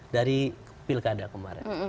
dari pilkada kemarin